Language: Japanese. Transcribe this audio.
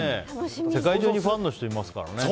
世界中にファンの人いますからね。